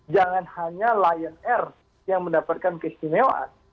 jangan hanya lion air yang mendapatkan keistimewaan